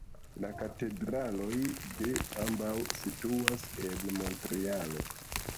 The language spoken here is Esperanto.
La katedraloj de ambaŭ situas en Montrealo.